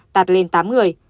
tạt lên tám người